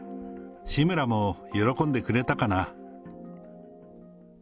志村も喜んでくれたかな。